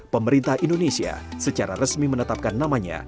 pemerintah indonesia secara resmi menetapkan namanya